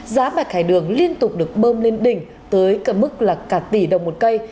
giá bạch hải đường liên tục được bơm lên đỉnh tới cả mức là cả tỷ đồng một cây